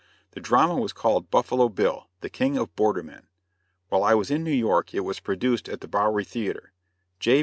The drama was called "Buffalo Bill, the King of Border Men." While I was in New York it was produced at the Bowery Theater; J.